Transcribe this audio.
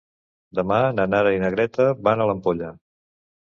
Demà na Nara i na Greta van a l'Ampolla.